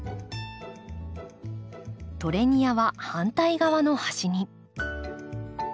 トレニアは反対側の端に。